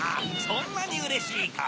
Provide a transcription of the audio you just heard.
そんなにうれしいか。